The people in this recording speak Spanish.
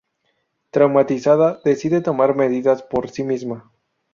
Traumatizada, decide tomar medidas por sí misma.